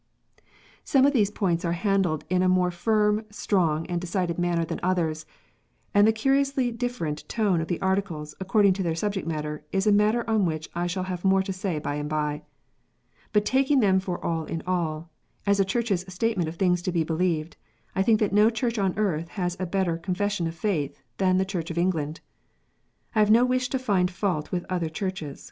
Some of these points are handled in a more firm, strong, and decided manner than others, and the curiously different tone of the Articles, according to their subject matter, is a matter on which I shall have more to say by and by. But taking them for all in all, as a Church s statement of things to be believed, I think that no Church on earth has a better " Confession of faith " than the Church of England. I have no wish to find fault with other Churches.